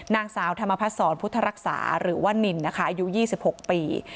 นางสาวธรรมภสรพุทธรรักษาหรือว่านินนะคะอายุยี่สิบหกปี